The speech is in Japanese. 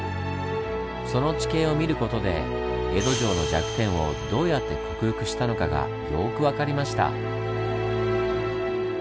その地形を見ることで江戸城の弱点をどうやって克服したのかがよく分かりました。